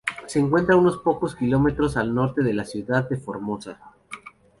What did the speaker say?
Se encuentra unos pocos km al norte de la ciudad de Formosa.